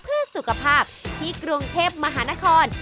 เพื่อสุขภาพที่กรุงเทพมหานคร